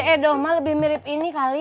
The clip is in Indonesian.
ceh dohma lebih mirip ini kali